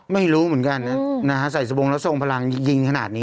ไม่รู้เหมือนกันนะใส่สบงแล้วทรงพลังยิงขนาดนี้